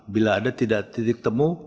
bila ada tidak titik temu